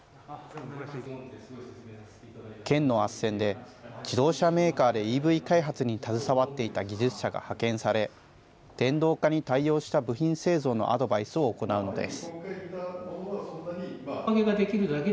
県のあっせんで自動車メーカーでＥＶ開発に携わっていた技術者が派遣され、電動化に対応した部品製造のアドバイスを行うのです。